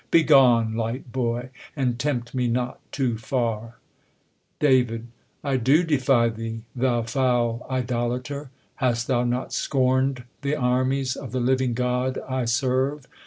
Begone, light boy ! And temj)tmc not too f^ir. Dav, I do defy thee, Thou foul idolater! Hast thou not scorn'd The armies of the living God I serve